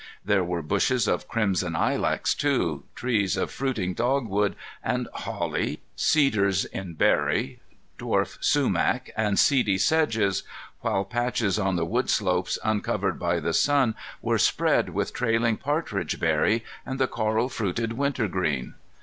There were bushes of crimson ilex, too, trees of fruiting dogwood and holly, cedars in berry, dwarf sumac and seedy sedges, while patches on the wood slopes uncovered by the sun were spread with trailing partridge berry and the coral fruited wintergreen.